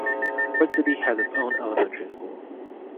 Ford City has its own elementary school.